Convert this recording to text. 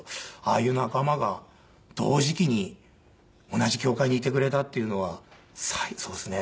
ああいう仲間が同時期に同じ協会にいてくれたっていうのはそうですね。